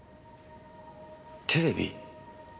テレビ？